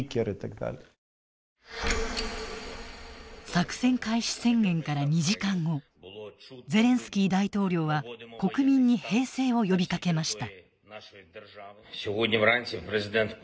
作戦開始宣言から２時間後ゼレンスキー大統領は国民に平静を呼びかけました。